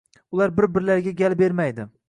Ular bir-birlariga gal bermaydi.